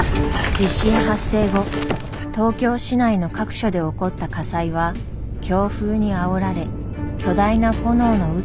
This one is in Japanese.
地震発生後東京市内の各所で起こった火災は強風にあおられ巨大な炎の渦と化しました。